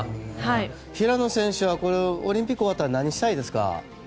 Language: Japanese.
平野選手はオリンピックが終わったら何をしたいですか？